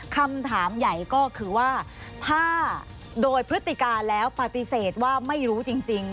คำถามใหญ่ก็คือว่าถ้าโดยพฤติการแล้วปฏิเสธว่าไม่รู้จริง